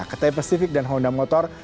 ketai pasifik dan honda motor